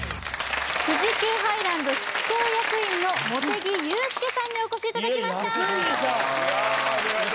富士急ハイランド執行役員の茂手木祐介さんにお越しいただきました役員さん